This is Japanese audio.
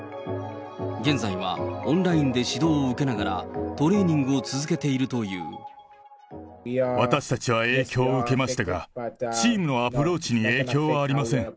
現在はオンラインで指導を受けながら、私たちは影響を受けましたが、チームのアプローチに影響はありません。